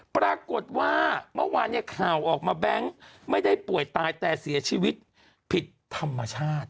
ปรากฏว่าเมื่อวานเนี่ยข่าวออกมาแบงค์ไม่ได้ป่วยตายแต่เสียชีวิตผิดธรรมชาติ